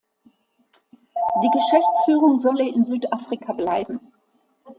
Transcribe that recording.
Die Geschäftsführung solle in Südafrika bleiben.